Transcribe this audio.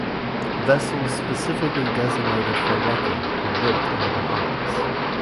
Vessels specifically designed for wrecking were built in the Bahamas.